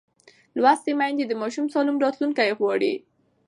لوستې میندې د ماشوم سالم راتلونکی غواړي.